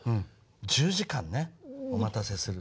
１０時間ねお待たせする。